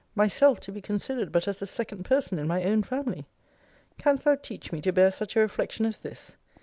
Myself to be considered but as the second person in my own family! Canst thou teach me to bear such a reflection as this!